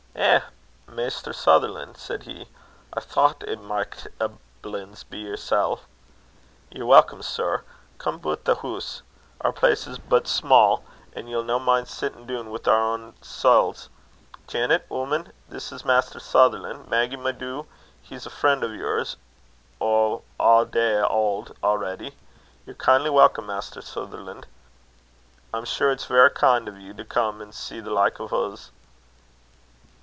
"Eh! Maister Sutherlan'," said he, "I thocht it micht aiblins be yersel. Ye're welcome, sir. Come butt the hoose. Our place is but sma', but ye'll no min' sitttin' doon wi' our ain sels. Janet, ooman, this is Maister Sutherlan'. Maggy, my doo, he's a frien' o' yours, o' a day auld, already. Ye're kindly welcome, Maister Sutherlan'. I'm sure it's verra kin' o' you to come an' see the like o' huz."